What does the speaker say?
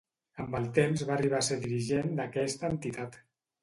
Amb el temps va arribar a ser dirigent d'aquesta entitat.